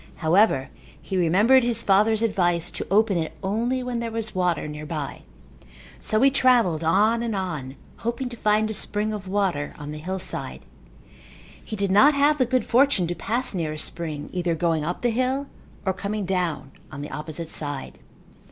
However, he remembered his father's advice to open it only where there was water nearby. So he travelled on and on hoping to find a spring of water on the hillside. He did not have the good fortune to pass near a spring either going up the hill or coming down on the opposite side.